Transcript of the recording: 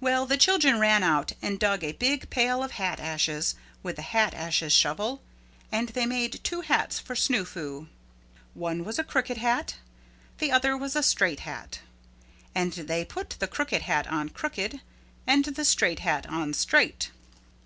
Well, the children ran out and dug a big pail of hat ashes with the hat ashes shovel. And they made two hats for Snoo Foo. One was a crooked hat. The other was a straight hat. And they put the crooked hat on crooked and the straight hat on straight.